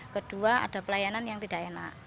kedua ada pelayanan yang tidak enak